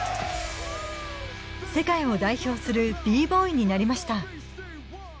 世界を代表するＢ−Ｂｏｙになりました。